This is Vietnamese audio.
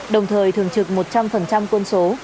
đồng thời thường trực một trăm linh quân số